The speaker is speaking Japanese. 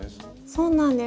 そうなんです。